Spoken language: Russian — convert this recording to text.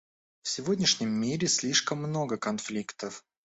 В сегодняшнем мире слишком много конфликтов.